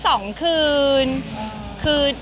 ก็พักฟื้นแค่๒คืน